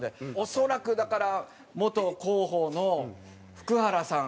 恐らくだから元広報の福原さん